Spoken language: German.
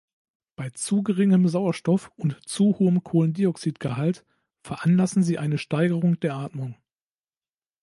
Bei zu geringem Sauerstoff- und zu hohem Kohlendioxid-Gehalt veranlassen sie eine Steigerung der Atmung.